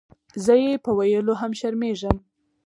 زۀ یې پۀ ویلو هم شرمېږم.